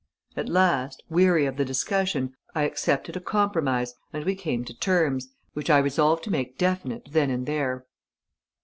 At last, weary of the discussion, I accepted a compromise and we came to terms, which I resolved to make definite then and there.